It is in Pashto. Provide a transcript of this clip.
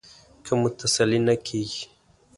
که مو تسلي نه کېږي.